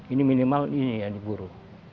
ini minimal ini yang diburu